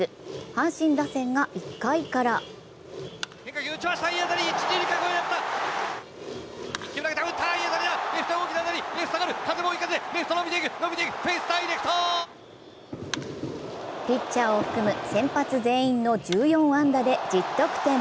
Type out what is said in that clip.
阪神打線が１回からピッチャーを含む先発全員の１４安打で１０得点。